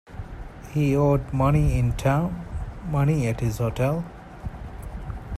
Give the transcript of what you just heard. He owed money in town, money at his hotel.